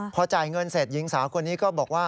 พอจ่ายเงินเสร็จหญิงสาวคนนี้ก็บอกว่า